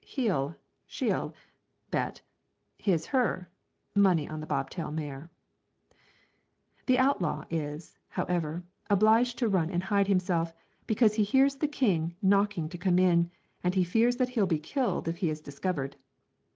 You'll} {your} He'll } bet {his} money on the bob tail mare. She'll} {her} The outlaw is, however, obliged to run and hide himself, because he hears the king knocking to come in, and he fears that he'll be killed if he is discovered.